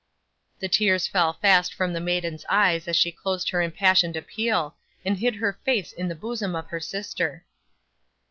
'The tears fell fast from the maiden's eyes as she closed her impassioned appeal, and hid her face in the bosom of her sister.